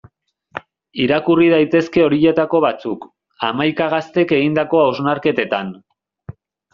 Irakurri daitezke horietako batzuk, hamaika gaztek egindako hausnarketetan.